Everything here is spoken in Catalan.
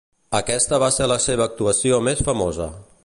Aquesta va ser la seva actuació més famosa.